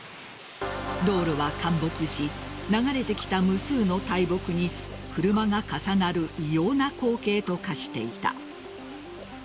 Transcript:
道路は陥没し流れてきた無数の大木に車が重なる異様な光景と化していた。